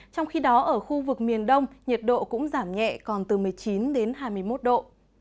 trong khi đó ở khu vực miền đông nhiệt độ cũng giảm nhẹ còn từ một mươi chín đến hai mươi một độ